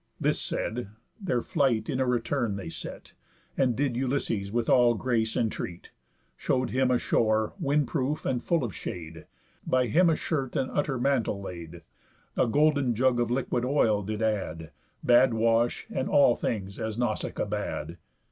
This said, their flight in a return they set, And did Ulysses with all grace entreat, Show'd him a shore, wind proof, and full of shade, By him a shirt and utter mantle laid, A golden jug of liquid oil did add, Bad wash, and all things as Nausicaa bad.